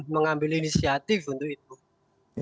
mengambil inisiatif untuk itu